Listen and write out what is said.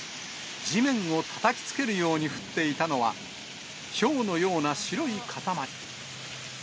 地面をたたきつけるように降っていたのは、ひょうのような白い塊。